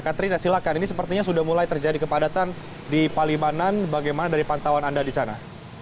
katrina silakan ini sepertinya sudah mulai terjadi kepadatan di palimanan bagaimana dari pantauan anda di sana